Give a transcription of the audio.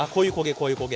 こういう焦げ